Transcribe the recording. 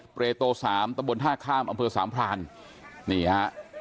เปรโตสามตะบนท่าข้ามอำเภอสามพรานนี่ฮะ